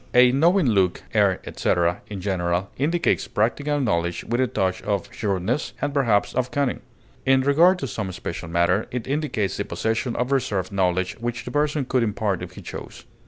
A knowing look, air, etc., in general indicates practical knowledge with a touch of shrewdness, and perhaps of cunning; in regard to some special matter, it indicates the possession of reserved knowledge which the person could impart if he chose.